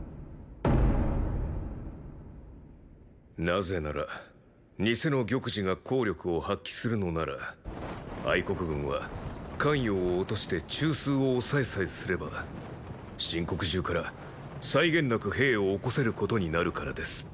なぜなら偽の玉璽が効力を発揮するのなら国軍は咸陽を落として中枢を押さえさえすれば秦国中から際限なく兵を興せることになるからです。